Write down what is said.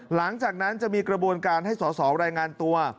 หลังจากนั้นจะมีกระบวนการให้สอสอรายงานตัว